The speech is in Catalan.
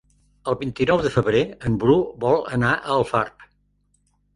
El vint-i-nou de febrer en Bru vol anar a Alfarb.